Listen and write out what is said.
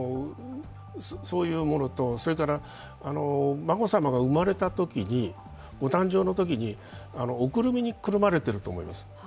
それから、眞子さまが生まれたときご誕生のときにおくるみにくるまれていると思います。